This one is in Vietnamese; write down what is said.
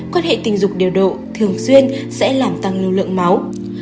quan hệ tình dục điều độ thường xuyên sẽ làm tăng lưu lượng máu